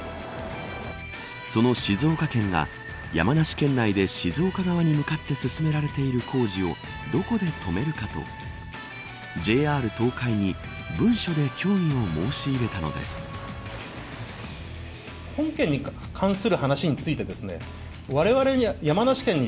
その静岡県が山梨県内で静岡側に向かって進められている工事をどこで止めるかとＪＲ東海に文書で協議を申し入れたのです。